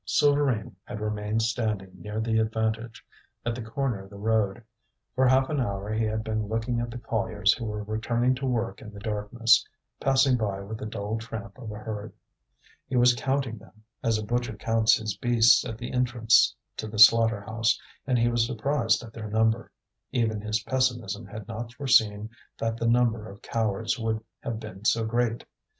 Souvarine had remained standing near the Avantage, at the corner of the road. For half an hour he had been looking at the colliers who were returning to work in the darkness, passing by with the dull tramp of a herd. He was counting them, as a butcher counts his beasts at the entrance to the slaughter house, and he was surprised at their number; even his pessimism had not foreseen that the number of cowards would have been so great.